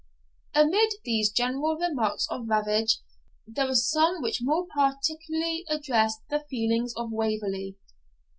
] Amid these general marks of ravage, there were some which more particularly addressed the feelings of Waverley.